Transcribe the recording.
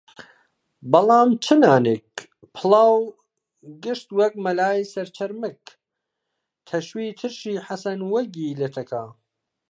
بەڵام چ نانێک، پڵاو گشت وەک مەلای سەرچەرمگ تەشوی ترشی حەسەن وەگی لە تەکا